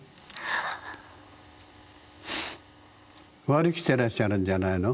割り切ってらっしゃるんじゃないの？